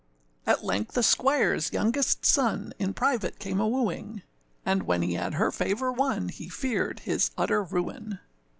At length a squireâs youngest son In private came a wooing, And when he had her favour won, He feared his utter ruin.